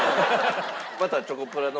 またチョコプラの